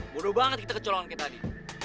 buruh banget kita kecolongan kayak tadi